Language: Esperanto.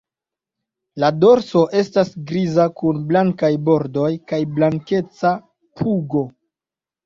La dorso estas griza kun blankaj bordoj kaj blankeca pugo.